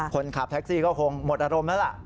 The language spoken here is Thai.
คนขับแท็กซี่ก็คงหมดอารมณ์นั่นแหละ